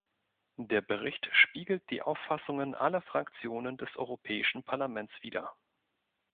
Der Bericht spiegelt die Auffassungen aller Fraktionen des Europäischen Parlaments wider.